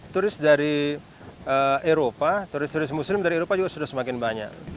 turis dari eropa turis turis muslim dari eropa juga sudah semakin banyak